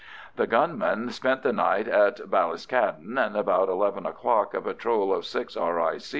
The gunmen spent the night in Ballyscaddan, and about eleven o'clock a patrol of six R.I.